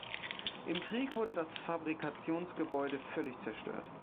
Im Krieg wurde das Fabrikationsgebäude völlig zerstört.